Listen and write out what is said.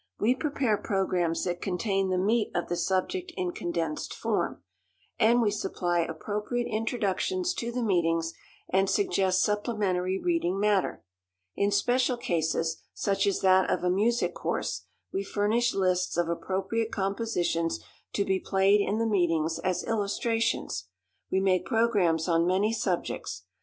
We prepare programs that contain the meat of the subject in condensed form, and we supply appropriate introductions to the meetings, and suggest supplementary reading matter. In special cases, such as that of a music course, we furnish lists of appropriate compositions to be played in the meetings as illustrations. We make programs on many subjects.